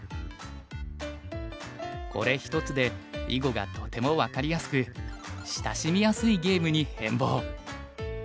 これ一つで囲碁がとても分かりやすく親しみやすいゲームに変貌。